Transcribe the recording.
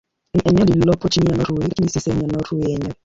Ni eneo lililopo chini ya Norwei lakini si sehemu ya Norwei yenyewe.